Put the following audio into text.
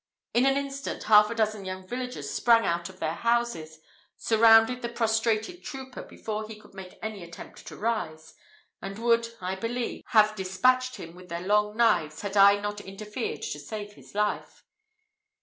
In an instant, half a dozen young villagers sprang out of the houses, surrounded the prostrated trooper before he could make an attempt to rise, and would, I believe, have despatched him with their long knives, had not I interfered to save his life.